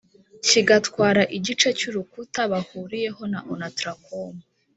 kigatwara igice cy'urukuta bahuriyeho na onatracom